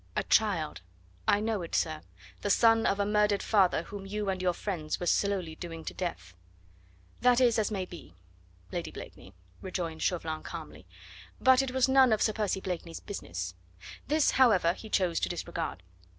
"A child. I know it, sir the son of a murdered father whom you and your friends were slowly doing to death." "That is as it may be, Lady Blakeney," rejoined Chauvelin calmly; "but it was none of Sir Percy Blakeney's business. This, however, he chose to disregard.